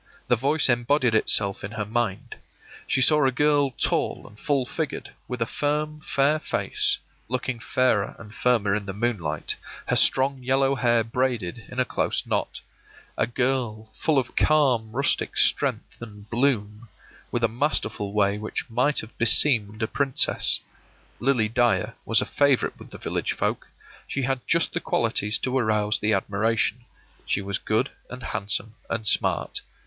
The voice embodied itself in her mind. She saw a girl tall and full figured, with a firm, fair face, looking fairer and firmer in the moonlight, her strong yellow hair braided in a close knot. A girl full of a calm rustic strength and bloom, with a masterful way which might have beseemed a princess. Lily Dyer was a favorite with the village folk; she had just the qualities to arouse the admiration. She was good and handsome and smart.